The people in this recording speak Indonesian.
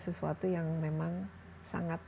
sesuatu yang memang sangat